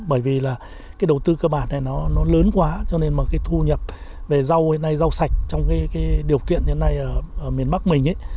bởi vì là cái đầu tư cơ bản này nó nó lớn quá cho nên mà cái thu nhập về rau này rau sạch trong cái điều kiện như thế này ở miền bắc mình ấy